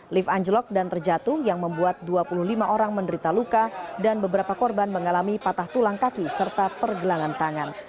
lift anjlok dan terjatuh yang membuat dua puluh lima orang menderita luka dan beberapa korban mengalami patah tulang kaki serta pergelangan tangan